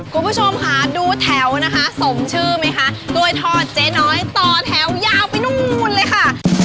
คุณผู้ชมค่ะดูแถวนะคะสมชื่อไหมคะกล้วยทอดเจ๊น้อยต่อแถวยาวไปนู่นเลยค่ะ